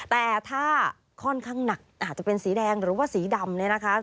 แต่ถ้าค่อนข้างหนักอาจจะเป็นสีแดงหรือว่าสีดำเนี่ยนะคะ